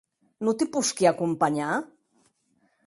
Non te posqui acompanhar?